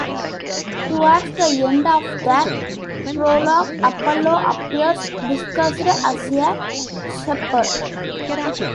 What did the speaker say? Towards the end of the prologue, Apollo appears, disguised as a shepherd.